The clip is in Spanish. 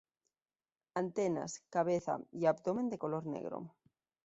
Antenas, cabeza y abdomen de color negro.